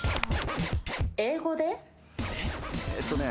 英語で？